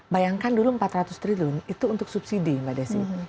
bayangkan dulu empat ratus triliun itu untuk subsidi mbak desi